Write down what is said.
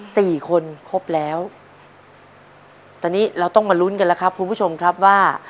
สี่คนครบแล้วตอนนี้เราต้องมาลุ้นกันแล้วครับคุณผู้ชมครับว่า